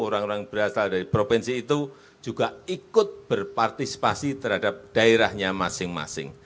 orang orang yang berasal dari provinsi itu juga ikut berpartisipasi terhadap daerahnya masing masing